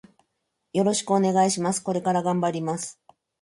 よろしくお願いします。これから頑張ります。